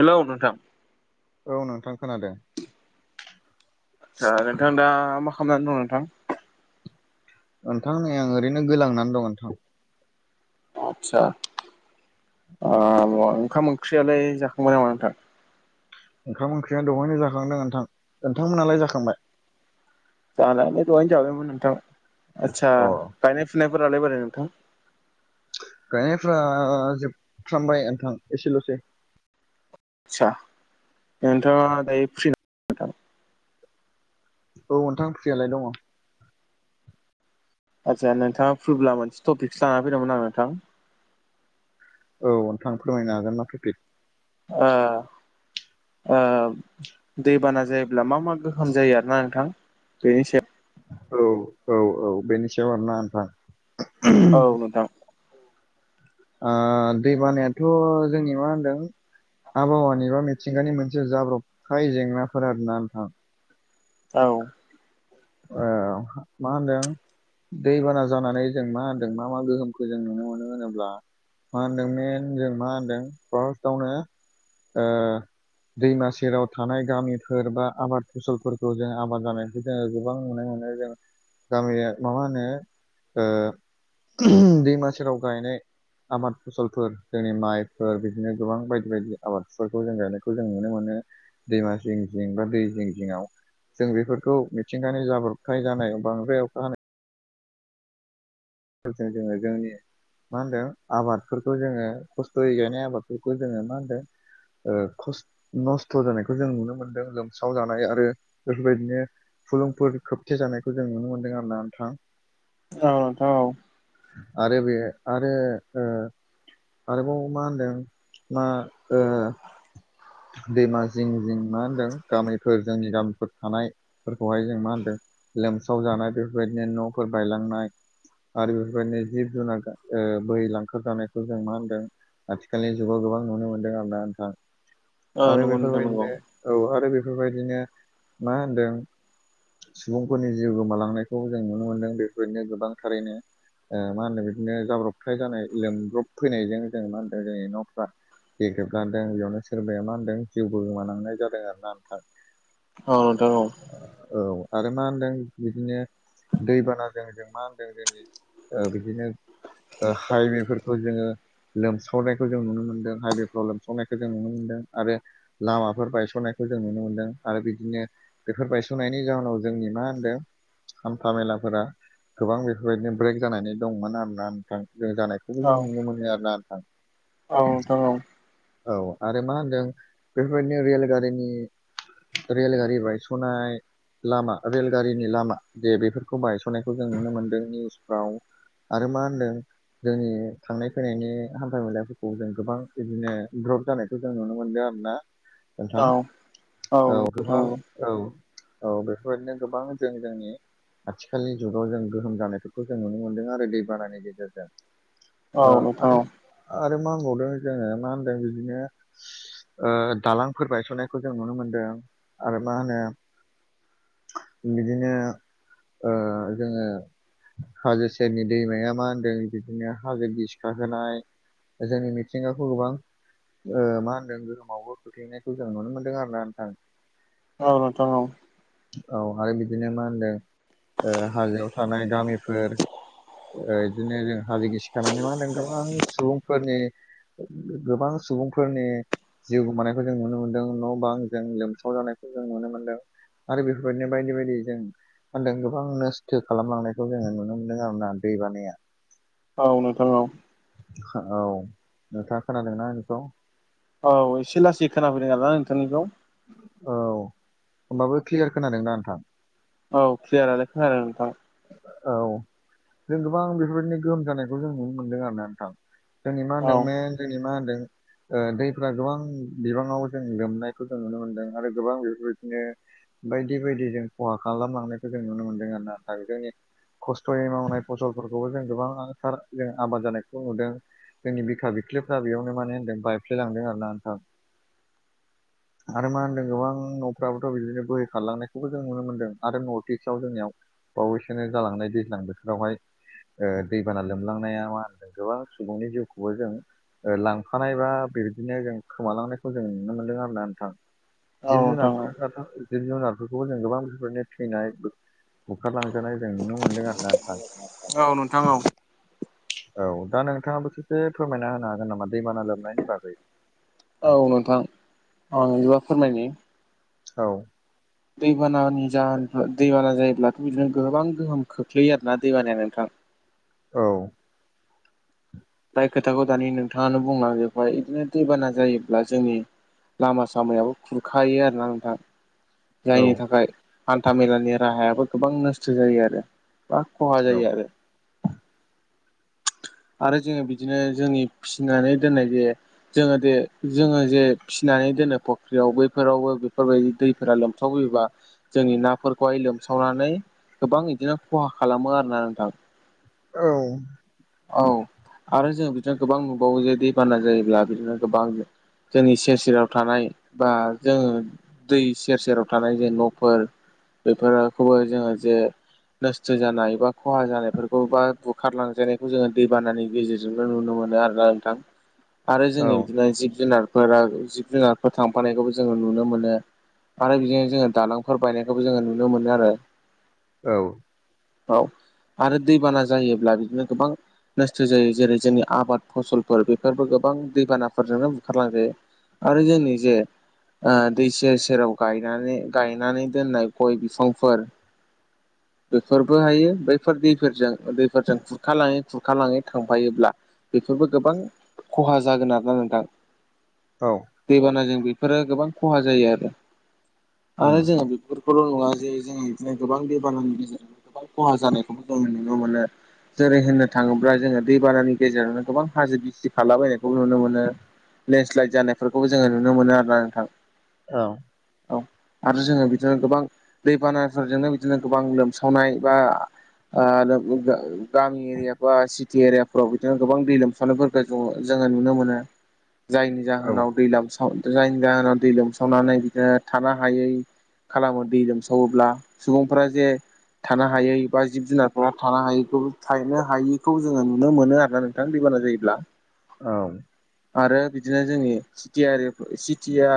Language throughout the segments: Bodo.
हेलौ नोंथां औ नोंथां खोनादों ओ नोंथां दा मा खालामनानै दं नोंथां? नोंथां नै आं ओरैनो गोलांनानै दं नोंथां। आतसा ओ ओंखाम ओंख्रियालाय जाखांबाय नामा नोंथां? ओंखाम ओंख्रिया दहायनो जाखांदों नोंथां नोंथांमोनहालाय जाखांबाय? जानायालाय दहायनो जाबायमोन नोंथां आतसा अ गायनाय फुनायफोरालाय बोरै नोंथां? गायनायफ्रा जोबफ्रामबाय नोंथां एसेल'सै। आस्सा नोंथाङा दायो फ्रि। नोंथां औ नोंथां फ्रियालाय दंङो आचसा नोंथांङा फैब्ला मोनसे टपिकसो ला फैदोंमोन आं नोंथां। औ नोंथां फोरमायनो हागोन मा तपिक? ओ ओ दैबाना जायोब्ला मा मा गो ओंखाम जायो आरोना नोंथां बेनि सायाव औ औ औ बेनि सायाव आरोना नोंथां। औ नोंथां ओ दै बानायाथ' जोंनि मा होनदों? आबहावानि बा मिथिंगानि मोनसे जाब्रबथाय जेंनाफोर आरो ना नोंथां। औ ए मा होनदों? दैबाना जानानै जों मा होनदों मा मा गोहोमखौ जों नुनो मोनो होनोब्ला मा होनदों मेन जों मा होनदों फार्स्टआवनो दैमा सेराव थानाय गामिफोर बा आबाद फसलफोरखौ जों आबाद जानायखौ जोङो गोबां नुनो मोनो जों गामिया माबा होनो ओ दैमा सेराव गायनाय आबाद फसलफोर जोंनि माइफोर बिदिनो गोबां बायदि बायदि आबादफोरखौ जों गानायखौ जों नुनो मोनो। दैमा जिं जिं बा दै जिं जिङांव जों बेफोरखौ मिथिंगानि जाब्रबथाय जानायाव बांद्राय अखा हानाय जोंनि मा होनदों आबादफोरखौ जोंङो खस्थ'यै गायनाय आबादफोरखौ जोंङो मा होनदों? स् नस्थ' जानायखौ जों नुनो मोनदों लोमस्राव जानाय आरो बेफोरबायदिनो फुलुंफोर खोबथे जानायखौ जों नुनो मोनदों आरोना नोंथां। औ औ आरो बे आरो आरोबाव मा होनदों मा ओ दैमा जिं जिं मा होन्दों गामिफोर जोंनि गामिफोर थानायफोरखौहाय जों मा होनदों लोमसाव जानाय बेफोरबायदिनो न'फोर बायलांनाय आरो बेफोरबायदि जिब जुनार बोै लांखार जानायखौ जों मा होनदों आथिखालनि जुगाव गोबां नुनो मोनदों आं नोंथां औ आरो नंगौ नोंथां नंगौ बेफोरबायदिनो औ आरो बेफोरबायदिनो मा होनदों सुबुंफोरनि जिउ गोमालांनायखौ जों नुनो मोनदों बेफोरनो गोबांथारैनो ओ मा होनो बिदिनो जाब्रबथाय जानाय लोमब्रब फैनायजों जों मा होनदों जोंनि न'फ्रा गेग्रेजदों बेयावनो सोरबाया मा होनदों जिउबो गोमानांनाय जादों आरो ना आथा औ नोंथां औ आरो मा होनदों बिदिनो दैबानाजों जों मा होनदों जोंनि बिदिनो हाइमेफोरखौ जोङो लोमसावनायखौ जों नुनो मोन्दों हाइवेफ्राव लोमसावनायखौ जों नुनो मोन्दों आरो लामाफोर बायसननायखौ जों नुनो मोनदों आरो बिदिनो बेफोर बायस'नायनि जाउनाव जोंनि मा होनदों हान्था मेलाफोरा गोबां बेफोरबायदिनो ब्रेक जानानै दंमोन आरोना नोंथां जों जानाय बेखौ औ जों नुनो मोनो आरो ना नोंथां औ नोंथां औ औ आरो मा होनो दों बेफोरबायदिनो रेलगारिनि रेलगारि बायस'नाय लामा रेलगारिनि लामा दे बेफोरखौ बायस'नायखौ जों नुनो मोनदों निउसफ्राव आरो मा होनदों जोंनि थांनाय फैनायनि हान्था मेलाफोरखौ जों गोबां बिदिनो द्रप जानायखौ जों नुनो मोनदों आरोना औ नोंथां औ गोबां औ औ बेफोरबायदिनो गोबां जों जोंनि आथिखालनि जुगाव जों गोहोम जानायफोरखौ जों नुनो मोन्दों आरो दै बानानि गेजेरजों अ औ नोंथां औ आरो आरो मा होनबावदों जोङो मा होनदों बिदिनो ओ दालांफोर बायस'नायखौ जों नुनो मोनदों आरो मा होनो बिदिनो ओ जोङो हाजो सेरनि दैमाया मा होनदों बिदिनो हाजो गिसिखा होनाय जोंनि मिथिंगाखौ गोबां ओ मा होनदों गोहोमावबो खोख्लैनायखौ जों नुनो मोन्दों आरो ना नोंथां औ नोंथां औ औ आरो बिदिनो मा होनदों ओ हाजोआव थानाय गामिफोर ओ बिदिनो जों हाजो गिसिखानानै मा होनदों गोबां सुबुंफोरनि गोबां सुबुं फोरनि जिउ गोमानायखौ जों नुनो मोन्दों न' बां जों लोमसाव जानायखौ जों नुनो मोन्दों आरो बेफोरबायदिनो बायदि बायदि जों मा होनदों गोबां नस्थ' खालामलांनायखौ जोङो नुनो मोन्दों आरो ना दै बानाया औ नोंथां औ औ नोंथा खोनादोंना आंनिखौ औ एसे लासै खोनाफैदों आरोना नोंथांनिखौ औ होमबाबो क्लियार खोनादोंना नोंथां औ क्लियारानो खोनादों नोंथां औ जों गोबां बेफोरबायदिनो गोहोम जानायखौ जों नुनो मोनदों आरोना नोंथां जोंनि मा औ होनदों मेन जोंनि मा होनदों ओ दैफ्रा गोबां बिबांङाव जों लोमनायखौ जों नुनो मोनदों आरो गोबां बेफोरबायदिनो बायदि बायदि जों खहा खालामलांनायखौ जों नुनो मोनदों आरो ना जोंनि खस्थ'यै मावनाय फसलफोरखौबो जों गोबांथार जों आबाद जानायखौ नुदों जोंनि बिखा बिख्लफ्रा बेयावनो माहोनदों बायफ्लेलांदों आरोना नोंथां [inaudible] आरो मा होनदों गोबां न'फ्राबोथ' बिदिनो बोहै खारलांनायखौबो जों नुनो मोन्दों आरो नर्थ इस्टआव जोंनियाव बावैसोनो जालांनाय दैज्लां बोथोरावहाय ओ दैबाना लोमलांनाया मा होनदों गोबां सुबुंनि जिउखौबो जों ओ लांफानाय बा बेबायदिनो जों खोमालांनायखौ जों नुनो मोनदों आरोना नोंथां। औ जिब नोंथां औ जुनारफोराथ' जिब जुनारफोरखौबो जों गोबां बेफोरनो थैनाय बुखारलांजानाय जों नुनो मोनदों आरोना नोंथां। औ नोंथां औ दा नोंथाङाबो ससे फोरमायना होनो हागोन नामा दैबाना लोमनायनि बागै? औ नोंथां आं बिदिबा फोरमायनि। औ दैबानानि जाहोनफोर दैबाना जायोब्लाथ' बिदिनो गोबां गोहोम खोख्लैयो आरोना दैबानाया नोंथां। औ जाय खोथाखौ दानि नोंथाङानो बुंलांजोबबाय इदिनो दैबाना जायोब्ला जोंनि लामा सामायाबो खुरखायो आरोना नोंथां। औ जायनि थाखाय हान्था मेलानि राहायाबो गोबां नोस्थ' जायो आरो। गोबां खहा औ जायो आरो। आरो जोङो बिदिनो जोंनि फिसिनानै दोननाय जे जोङो दे जोङो जे फिसिनानै दोनो फख्रियाव बैफोरावबो बेफोरबायदि दै फोरा लोमसावबोयोबा जोंनि नाफोरखौहाय लोमसावनानै गोबां इदिनो खहा खालामो आरोना नोंथां। औ औ आरो जों बिदिनो गोबां नुबावो जे दैबाना जायोब्ला बिदिनो गोबां जोंनि सेर सेराव थानाय बा जोङो दै सेर सेराव थानाय जे न'फोर बेफोरखौबो जोङो जे नोस्थ' जानाय बा खहा जानायफोरखौ बा बुखारलांजानाय खौ जोंङो दैबानानि गेजेरजोंनो नुनो मोनो आरोना नोंथां आरो औ जोंनि बिदिनो जिब जुनार फोरा जिब जुनारफोर थांफानायखौबो जोंङो नुनो मोनो। आरो बिदिनो जोङो दालांफोर बायनायखौबो जोंङो नुनो मोनो आरो। औ औ आरो दैबाना जायोब्ला बिदिनो गोबां नोस्थ' जायो जेरै जोंनि आबाद फसलफोर बेफोरबो गोबां दैबानाफोरजोंनो बुखारलांजायो। आरो जोंनि जे ओ दै सेर सेराव गायनानै गायनानै दोननाय गय बिफांफोर बेफोरबो हायो बैफोर दैफोरजों दैफोरजों खुरखालाङि खुरखालाङो थांफायोब्ला बेफोरबो गोबां खहा जागोन आरोना नोंथां। औ दैबानाजों बेफोरो गोबां खहा जायो आरो आरो उम जोंङो बेफोर खौल' नङा जे जों बिदिनो गोबां दैबानानि गेजेरजों गोबां खहा जानायखौबो जों नुनो मोनो जेरै होनो थाङोब्ला जोङो दैबानानि गेजेरावनो गोबां हाजो गिसि खालाबायनायखौ नुनो मोनो। लेन्डस्लाइद जानायफोरखौबो जोङो नुनो मोनो आरोना नोंथां। अ औ आरो जोंङो बिदिनो गोबां दैबानाफोरजोंनो बिदिनो गोबां लोमसावनाय बा ओ बा [unintelligible] गामि एरिया बा सिटि एरियाफोराव बिदिनो गोबां दै लोमसानायफोरखौ जों जोंङो नुनो मोनो। जायनि औ जाहोनाव दै लोमाव जायनि जाहोनाव दै लोमसावनानै बिदिनो थानो हायै खालामो दै लोमसावोब्ला सुबुंफोरा जे थानो हायै बा जिब जुनारफोरा थानो हायैखौबो थायनो हायि खौ जोङो नुनो मोनो आरोना नोंथां दैबाना जायोब्ला। औ आरो बिदिनो जोंनि सिटियारि सिटिया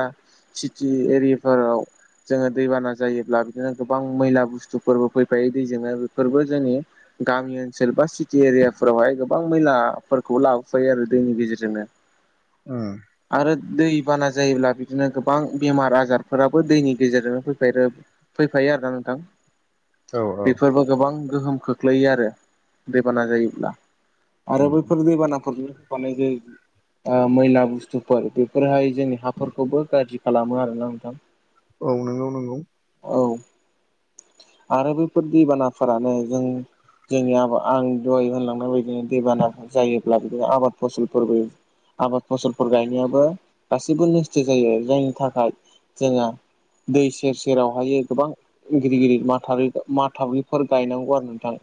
सिटि एरियाफोराव जोंङो दैबाना जायोब्ला बिदिनो गोबां मैला बुस्थुफोरबो फैफायो दैजोंनो बेफोरबो जोंनि गामि ओनसोल बा सि एरिया फोरावहाय गोबां मैलाफोरखौ लाबोफायो आरो दैनि गेजेरजोंनो उम आरो दै बाना जायोब्ला बिदिनो गोबां बेमार आजारफोराबो दैनि गेजेरजोंनो फैफायो आरोना नोंथां औ बेफोरबो गोबां गोहोम खोख्लैयो आरो दैबाना जायोब्ला आरो उम बैफोर दैबानाफोरजोंनो होफानाय जायो ओ मैला बुस्थुफोर बेफोरहाय जोंनि हाफोरखौबो गाज्रि खालामो आरोना नोंथां [inaudible] औ नंगौ नंगौ औ आरो बेफोर दैबानाफोरानो जों जोंनि आबाद आं दहाय होनलांनाय बायदिनो दैबाना जायोब्ला बिदि आबाद फसलफोरबो आबाद फसलफोर गायनायाबो गासिबो नस्थ' जायो जायनि थाखाय जोङो दै सेर सेरावहायो गोबां गिदिर गिदिर माथलि माथालिफोर गायनांगौ आरो नोंथां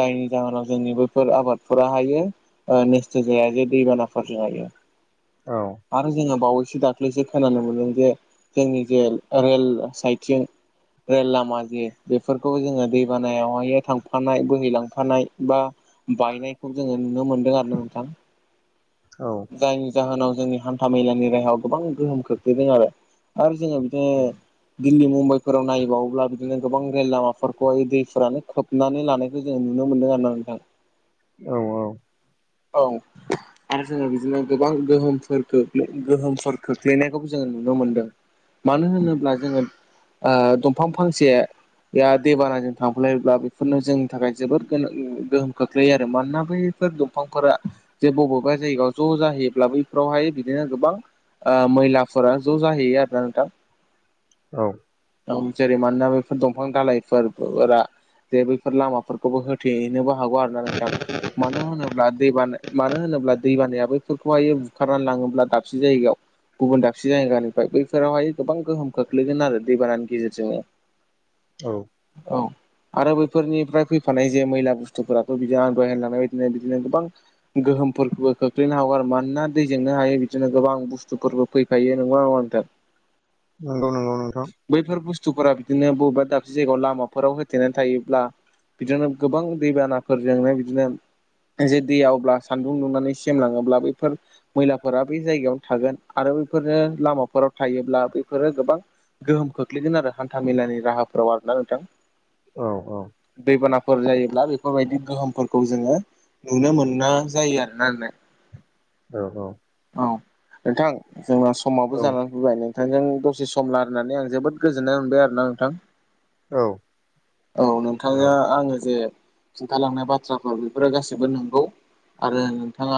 जायनि जाहोनाव जोंनि बैफोर आबादफोरा हायो ओ निस्थ' जाया जे दैबानाफोरजों हायो औ आरो जोङो बावैसो दाख्लैसो खोनानो मोनदों जे जोंनि जे रेल साइथिं रेल लामा जे बेफोरखौ जोंङो दैबानायावहाय थांफानाय बोहैलां फानाय बा बायनायखौ जोङो नुनो मोनदों आरो ना नोंथां औ जायनि जाहोनाव जोंनि हान्था मेलानि राहायाव गोबां गोहोम खोख्लैदों आरो आरो जोङो बिदिनो उम दिल्ली मुम्बाइफोराव नायबावोब्ला बिदिनो गोबां रेल लामाफोरखौहाय दैफोरानो खोबनानै लानायखौ जों जों नुनो मोनदों आरो ना नोंथां औ औ औ आरो जोङो बिदिनो गोबां गोहोमफोरखौ गोहोमफोर खोख्लैनायखौबो जोङो नुनो मोन्दों मानो होनोब्ला जोङो ओ दंफां फांसे दैबानाजों थां खालायोब्ला बेफोरनो जोंनि थाखाय जोबोद गोहोम खोख्लैयो आरो मानोना बैफोर दंफांफोरा जे बबेबा जायगायाव ज' जाहैयोब्ला बैफोरावहाय बिदिनो गोबां ओ मैलाफोरा ज' जाहैयो आरो ना नोंथां औ जेरै मानोना बेफोर दंफां दालायफोरफोरा जे बैफोर लामा खौबो होथेनोबो हागौ आरो ना नोंथां मानो होनोब्ला दै बानाया मानो होनोब्ला दै बानाया बैफोरखौहायो बुखारनानै लाङोब्ला से जायगायाव गुबुन दाबसे जायगानिफ्राय बैफोरावहाय गोबां गोहोम खोख्लैगोन आरो दैबानानि गेजेरजोंनो [inaudible] औ औ आरो बैफोरनिफ्राय फै फानाय जे मैला बुस्थुफोराथ' बिदि आं दहाय होनलांनाय बायदिनो बिदिनो गोबां गोहोमफोरबो खोख्लैनो हागौ आरो मानोना दैजोंनो हायो बिदिनो गोबां बुस्थुफोरबो फैफायो नंगौना नङा नोंथा [inaudible] नंगौ नंगौ नोंथां बैफोर बुस्थुफोरा बिदिनो बबेबा दाबसे जायगायाव लामाफोराव होथेनानै थायोब्ला बिदिनो गोबां दैबानाफोरजोंनो बिदिनो जे दैआवब्ला सानदुं दुंनानै लाङो [unintelligible] बैफोर मैलाफोरा बे जायगायावनो थागोन आरो बैफोरनो लामाफोराव हायोब्ला बेफोरो गोबां गोहोम खोख्लैगोन आरो हान्था मेलानि राहाफोराव आरोना नोंथां औ औ दैबानाफोर जायोब्ला बेफोरबायदि गोहोमफोरखौ जोङो नुनो मोना जायो आरोना औ औ औ नोंथां जोंना समाबो जानानै [unintelligible] नोंथांजों दसे सम रायलायनानै आं जोबोद गोजोननाय मोनबाय आरोना नोंथां औ औ नोंथां औ आ आङो जे खिन्थालांनाय बाथ्राफोर बेफोरो गासिबो नंगौ आरो नोंथाङा